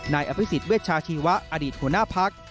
นายอภิษฎเวชาชีวะอดีตหัวหน้าพัก